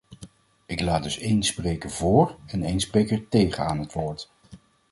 Ik laat dus één spreker voor en één spreker tegen aan het woord.